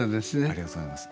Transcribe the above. ありがとうございます。